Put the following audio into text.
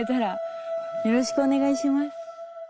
よろしくお願いします。